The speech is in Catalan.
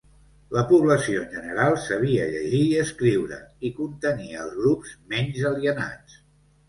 La població en general sabia llegir i escriure, i contenia els grups menys alienats.